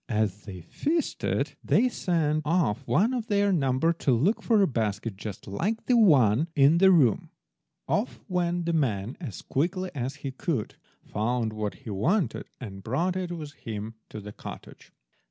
As they feasted they sent off one of their number to look for a basket just like the one in the room. Off went the man as quickly as he could, found what he wanted, and brought it with him to the cottage.